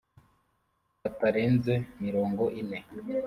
batarenze mirongo ine